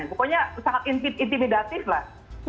pokoknya sangat intimidatif lah